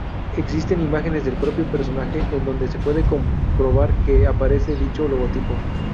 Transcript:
Existen imágenes del propio personaje en donde se puede comprobar que aparece dicho logotipo.